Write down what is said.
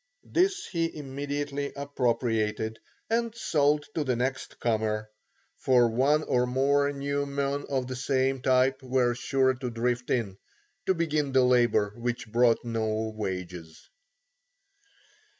This he immediately appropriated and sold to the next comer; for one or more new men of the same type were sure to drift in, to begin the labour which brought no wages.